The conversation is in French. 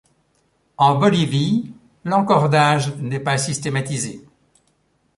En Bolivie, l'encordage n'est pas systématisé.